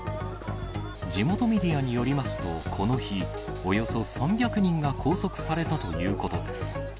地元メディアによりますと、この日、およそ３００人が拘束されたということです。